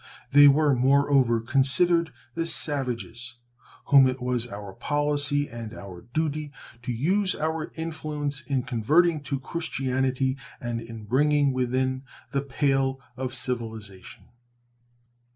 They were, moreover, considered as savages, whom it was our policy and our duty to use our influence in converting to Christianity and in bringing within the pale of civilization.